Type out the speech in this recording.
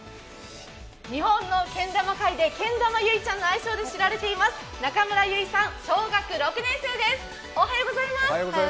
日本のけん玉界でけん玉ゆいちゃんの愛称で知られています中村結さん、小学６年生です。